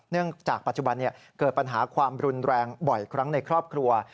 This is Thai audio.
จากปัจจุบันเกิดปัญหาความรุนแรงบ่อยครั้งในครอบครัว